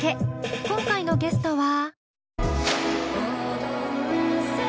今回のゲストは？